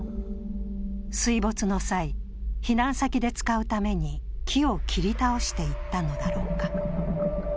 水没の際、避難先で使うために木を切り倒していったのだろうか。